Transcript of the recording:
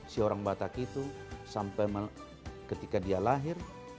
si orang batak itu sampai ketika dia lahir